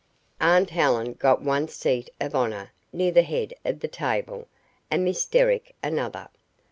Aunt Helen got one seat of honour near the head of the table and Miss Derrick another.